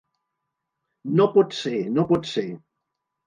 No pot ser, no pot ser!